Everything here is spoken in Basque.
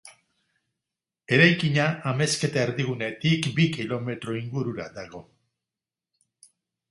Eraikina Amezketa erdigunetik bi kilometro ingurura dago.